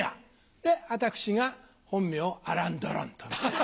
で私が本名アラン・ドロン。